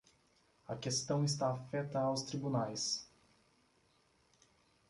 A questão está afeta aos tribunais.